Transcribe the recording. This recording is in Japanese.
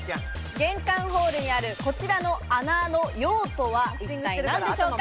玄関ホールにあるこちらの穴の用途は一体何でしょうか？